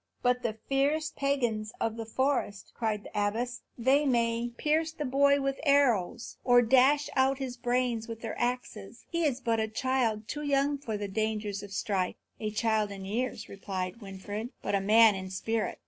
"But the fierce pagans of the forest," cried the abbess, "they may pierce the boy with their arrows, or dash out his brains with their axes. He is but a child, too young for the dangers of strife." "A child in years," replied Winfried, "but a man in spirit.